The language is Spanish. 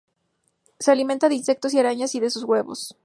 Se alimenta de insectos y arañas y de sus huevos.